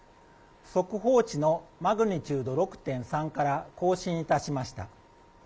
速報値のマグニチュード６．３から更新いたしました。